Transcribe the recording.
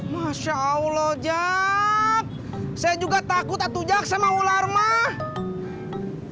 masya allah jack saya juga takut atuh jack sama ular mak